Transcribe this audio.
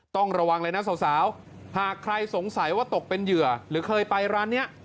ต้องระวังเลยนะสาวหากใครสงสัยว่าตกเป็นเหยื่อหรือเคยไปร้านนี้